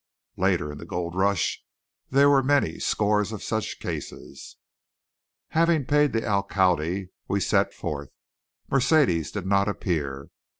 Later in the gold rush there were many scores of such cases. Having paid the alcalde we set forth. Mercedes did not appear.